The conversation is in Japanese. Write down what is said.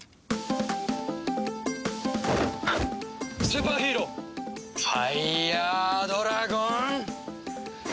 スーパーヒーローファイヤードラゴン。